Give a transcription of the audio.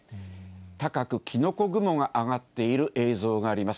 高くキノコ雲が上がっている映像があります。